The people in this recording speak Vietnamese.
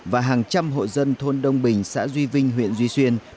và hàng trăm hộ dân thôn đông bình xã duy vinh huyện duy xuyên